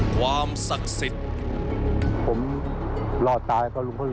ความศักดิ์สิทธิ์